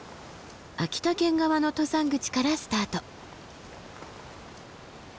秋田県側の登山口からスタート。